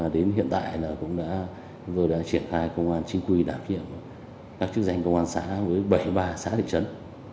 đến hiện tại chúng tôi đã triển khai công an chính quy đảm nhiệm các chức danh công an xã với bảy mươi ba xã địa chấn